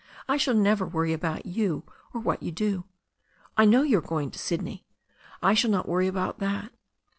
I shall never worry about you or what you do. I know you are going to Sydney. I shall not worry about that.